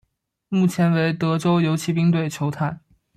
目前为德州游骑兵队球探。